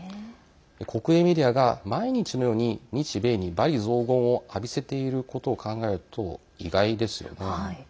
国営メディアが毎日のように日米に罵詈雑言を浴びせていることを考えると意外ですよね。